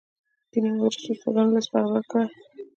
دیني مدرسو استادانو لست برابر کړي.